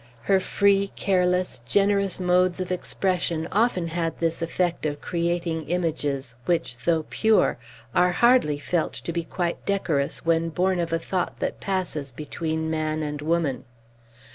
Her free, careless, generous modes of expression often had this effect of creating images which, though pure, are hardly felt to be quite decorous when born of a thought that passes between man and woman.